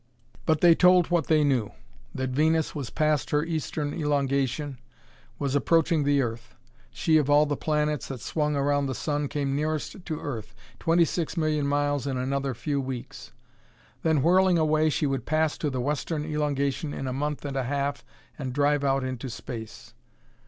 But they told what they knew; that Venus was past her eastern elongation, was approaching the earth. She of all the planets that swung around the sun came nearest to Earth twenty six million miles in another few weeks. Then whirling away she would pass to the western elongation in a month and a half and drive out into space.